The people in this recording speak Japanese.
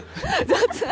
雑。